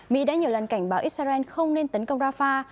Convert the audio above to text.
mỹ đã nhiều lần cảnh báo israel không nên tấn công rafah